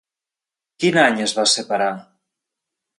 Quin any es va separar?